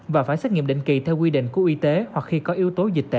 và phải xét nghiệm định kỳ theo quy định của y tế hoặc khi có yếu tố dịch tễ